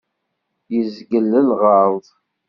Yezgel lɣerḍ.